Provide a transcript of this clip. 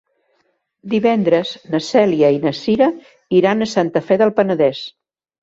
Divendres na Cèlia i na Cira iran a Santa Fe del Penedès.